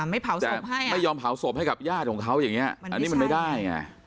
ไม่ยอมเผาศพให้กับญาติของเขาอย่างนี้อันนี้มันไม่ได้